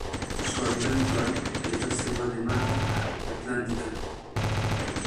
Su hábitat natural es la selva de la Mata Atlántica.